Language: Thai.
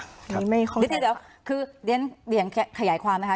นี่ไม่ค่อยซักค่ะเดี๋ยวเดี๋ยวคือเรียนขยายความนะคะ